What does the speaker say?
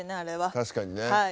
確かにね。